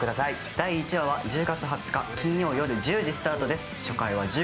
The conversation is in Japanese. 第１話は１０月２０日金曜日スタートです。